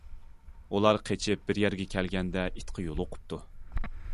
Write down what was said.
ئۇلار قېچىپ بىر يەرگە كەلگەندە ئىتقا يولۇقۇپتۇ.